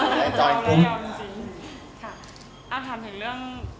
ถามถึงเรื่อง